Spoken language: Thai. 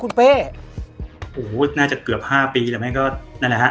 คุณเป้โหน่าจะเกือบ๕ปีบอกให้ก็นั่นแหละฮะ